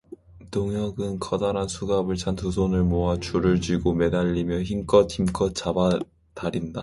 동혁은 커다란 수갑을 찬 두 손을 모아 줄을 쥐고 매달리며 힘껏힘껏 잡아다린다.